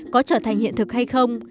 có trở thành hiện thực hay không